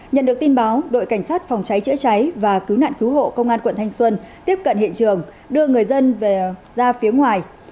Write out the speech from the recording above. nhận được tin báo đội cảnh sát phòng cháy chữa cháy và cứu nạn cứu hộ công an quận thanh xuân tiếp cận hiện trường đưa người dân ra phía ngoài